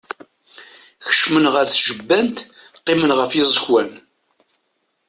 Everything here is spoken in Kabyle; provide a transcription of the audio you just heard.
Kecmen ɣer tjebbant, qqimen ɣef yiẓekwan.